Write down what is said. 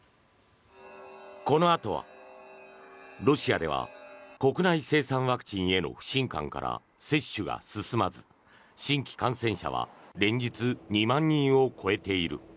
このあとは、ロシアでは国内生産ワクチンへの不信感から接種が進まず新規感染者は連日、２万人を超えている。